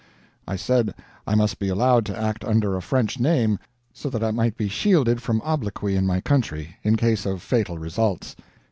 I said I must be allowed to act under a French name, so that I might be shielded from obloquy in my country, in case of fatal results.